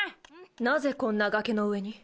なぜこんな崖の上に？